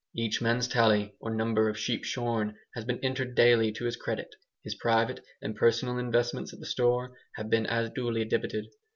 Each man's tally or number of sheep shorn has been entered daily to his credit. His private and personal investments at the store have been as duly debited.